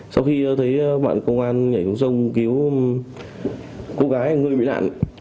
sau khi thấy bạn công an nhảy xuống sông cứu cô gái người bị nạn